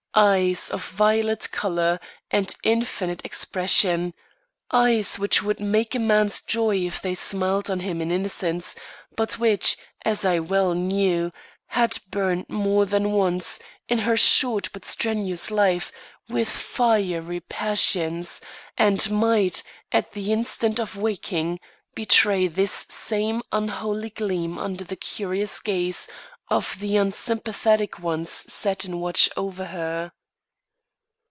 Eyes of violet colour and infinite expression; eyes which would make a man's joy if they smiled on him in innocence; but which, as I well knew, had burned more than once, in her short but strenuous life, with fiery passions; and might, at the instant of waking, betray this same unholy gleam under the curious gaze of the unsympathetic ones set in watch over her.